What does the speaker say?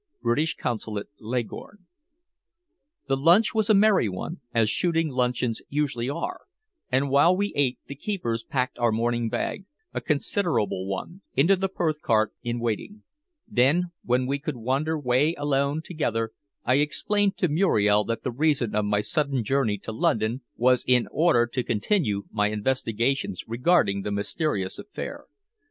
British Consulate, Leghorn"_ The lunch was a merry one, as shooting luncheons usually are, and while we ate the keepers packed our morning bag a considerable one into the Perth cart in waiting. Then, when we could wander away alone together, I explained to Muriel that the reason of my sudden journey to London was in order to continue my investigations regarding the mysterious affair.